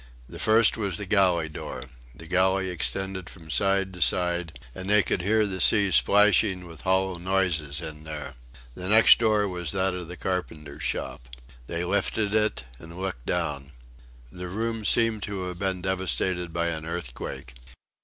The first was the galley door. The galley extended from side to side, and they could hear the sea splashing with hollow noises in there. The next door was that of the carpenter's shop. They lifted it, and looked down. The room seemed to have been devastated by an earthquake.